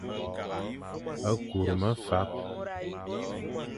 Kur mefap.